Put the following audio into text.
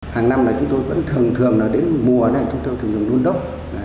hàng năm là chúng tôi vẫn thường thường đến mùa này chúng tôi thường thường luôn đốc